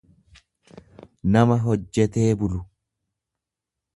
nama hojjetee bulu.